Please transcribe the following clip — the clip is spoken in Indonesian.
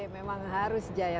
memang harus jaya